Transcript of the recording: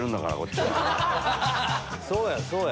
そうやそうや。